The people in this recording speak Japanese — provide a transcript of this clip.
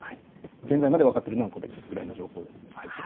現在まで分かっているのはこれぐらいの情報です。